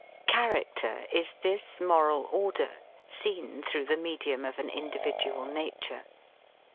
Character is this moral order seen through the medium of an individual nature.